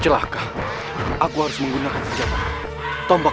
celaka aku harus menggunakan senjata tombol